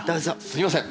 すみません